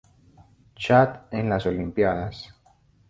Chad en las Olimpíadas